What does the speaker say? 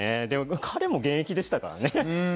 彼も現役でしたからね。